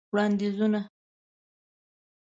وړاندیزونه :